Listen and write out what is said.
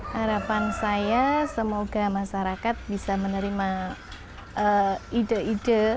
harapan saya semoga masyarakat bisa menerima ide ide